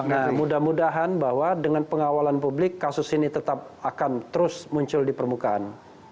nah mudah mudahan bahwa dengan pengawalan publik kasus ini tetap akan terus muncul di permukaan